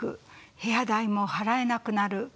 部屋代も払えなくなる。